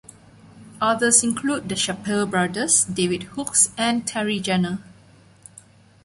Others include the Chappell brothers, David Hookes and Terry Jenner.